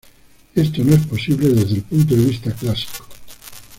Esto no es posible desde el punto de vista clásico.